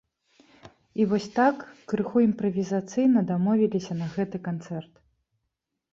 І вось так, крыху імправізацыйна дамовіліся на гэты канцэрт.